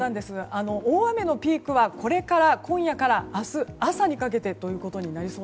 大雨のピークは今夜から明日朝にかけてです。